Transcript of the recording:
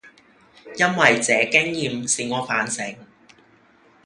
因爲這經驗使我反省，